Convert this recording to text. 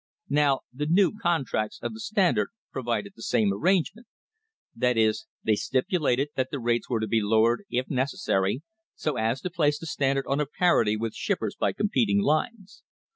Now, the new contracts of the Standard provided the same arrangement; that is, they stipulated that the rates were to be lowered if necessary so as to place the Standard on a parity with shippers by competing lines.